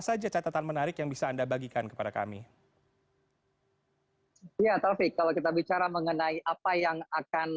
saja catatan menarik yang bisa anda bagikan kepada kami ya taufik kalau kita bicara mengenai apa yang akan